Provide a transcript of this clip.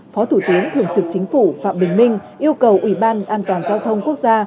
phó thủ tướng thường trực chính phủ phạm bình minh yêu cầu ủy ban an toàn giao thông quốc gia